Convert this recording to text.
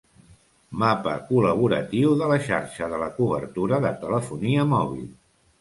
Mapa col·laboratiu de la xarxa de la cobertura de telefonia mòbil.